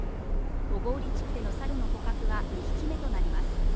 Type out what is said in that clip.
小郡地区でのサルの捕獲は２匹目となります。